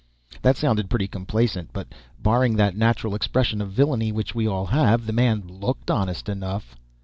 That sounded pretty complacent, but barring that natural expression of villainy which we all have, the man looked honest enough.